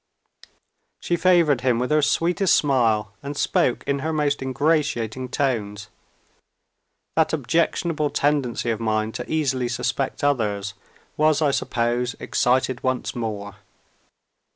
She favored him with her sweetest smile, and spoke in her most ingratiating tones. That objectionable tendency of mine to easily suspect others was, I suppose, excited once more.